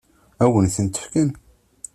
Ad wen-tent-fken?